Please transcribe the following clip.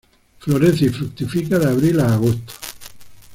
Florece y fructifica de abril a agosto.